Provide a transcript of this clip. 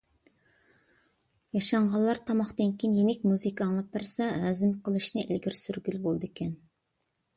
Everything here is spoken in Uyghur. ياشانغانلار تاماقتىن كېيىن يېنىك مۇزىكا ئاڭلاپ بەرسە، ھەزىم قىلىشنى ئىلگىرى سۈرگىلى بولىدىكەن.